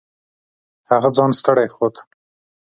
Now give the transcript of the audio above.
هغه ځان ستړی ښود.